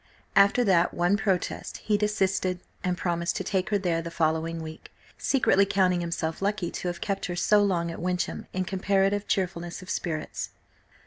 After that one protest he desisted, and promised to take her there the following week, secretly counting himself lucky to have kept her so long at Wyncham in comparative cheerfulness of spirits.